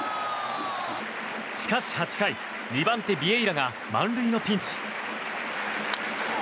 しかし８回、２番手、ビエイラが満塁のピンチ。